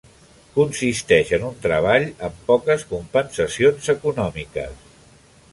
Consisteix en un treball amb poques compensacions econòmiques.